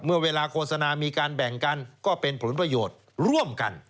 เมื่อเวลาโฆษณามีการแบ่งกันก็เป็นผลประโยชน์ร่วมกัน